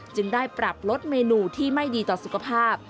จึงได้ปรับลดเมนูที่ไม่ดีต่อสุขภาพ